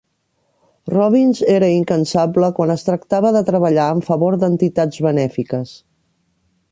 Robbins era incansable quan es tractava de treballar en favor d'entitats benèfiques.